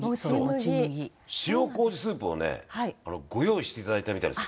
塩麹スープをねご用意して頂いたみたいです。